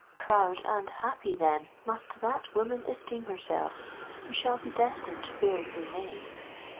Proud and happy, then, must that woman esteem herself who shall be destined to bear your name.